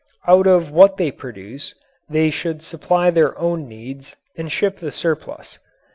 Out of what they produce they should supply their own needs and ship the surplus.